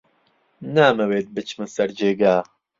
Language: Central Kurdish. نامەوێت بچمە سەر جێگا.